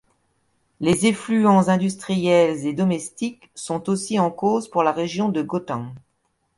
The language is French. Les effluents industriels et domestiques sont aussi en cause pour la région de Gauteng.